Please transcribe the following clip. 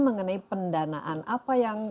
mengenai pendanaan apa yang